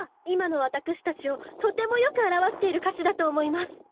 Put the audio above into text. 今のわたくしたちをとてもよく表している歌詞だと思います。